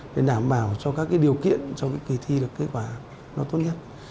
để đảm bảo cho các điều kiện cho kỳ thi được kết quả nó tốt nghiệp